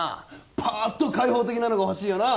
パーッと開放的なのが欲しいよなぁ！